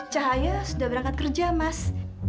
cahaya sudah berangkat kerja mas